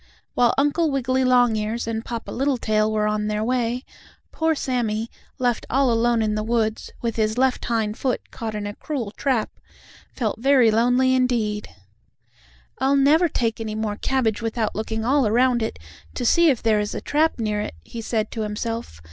While Uncle Wiggily Longears and Papa Littletail were on their way, poor Sammie, left all alone in the woods, with his left hind foot caught in a cruel trap, felt very lonely indeed. "I'll never take any more cabbage without looking all around it, to see if there is a trap near it," he said to himself.